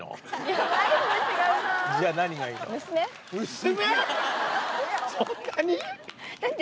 娘⁉